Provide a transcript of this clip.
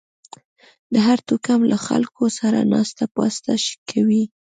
د هر توکم له خلکو سره ناسته پاسته کوئ